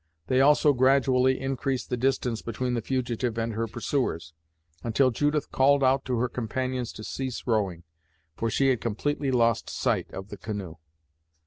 They also gradually increased the distance between the fugitive and her pursuers, until Judith called out to her companions to cease rowing, for she had completely lost sight of the canoe.